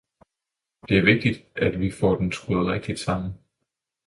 Det er vigtigt, at vi får den skruet rigtigt sammen.